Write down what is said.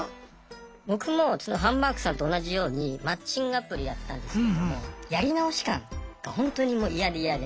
僕もハンバーグさんと同じようにマッチングアプリやってたんですけども「やり直し感」がほんとにもう嫌で嫌で。